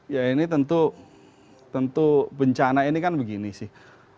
ya ini tentu bencana ini kan begini sih